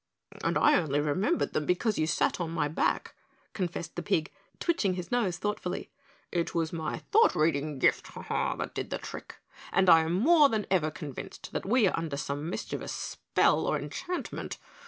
"And I only remembered them because you sat on my back," confessed the pig, twitching his nose thoughtfully. "It was my thought reading gift that did the trick, and I am more than ever convinced that we are under some mischievous spell or enchantment.